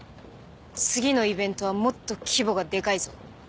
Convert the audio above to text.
次のイベントはもっと規模がでかいぞ。